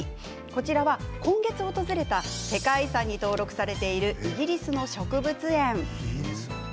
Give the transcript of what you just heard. こちらは、今月訪れた世界遺産に登録されているイギリスの植物園。